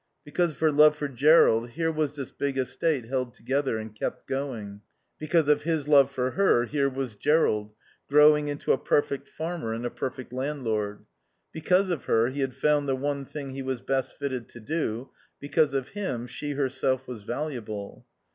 Because of her love for Jerrold here was this big estate held together, and kept going; because of his love for her here was Jerrold, growing into a perfect farmer and a perfect landlord; because of her he had found the one thing he was best fitted to do; because of him she herself was valuable.